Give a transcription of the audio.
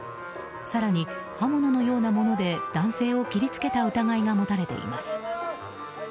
更に刃物のようなもので男性を切りつけた疑いが持たれています。